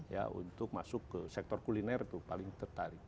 ya untuk masuk ke sektor kuliner itu paling tertarik